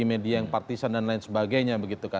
mediang partisan dan lain sebagainya